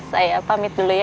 saya pamit dulu ya